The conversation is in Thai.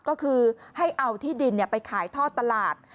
ก็คือให้เอาที่ดินไปขายท่อตลาด